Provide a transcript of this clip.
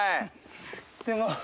でも。